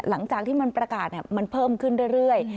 หลังจากที่มันประกาศมันเพิ่มขึ้นเรื่อย